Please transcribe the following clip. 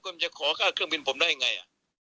คุณจะขอค่าเครื่องบินผมได้ยังไง